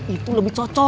itu lebih cocok